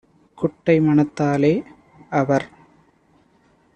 குட்டை மனத்தாலே - அவர்